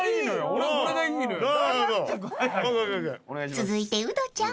［続いてウドちゃん］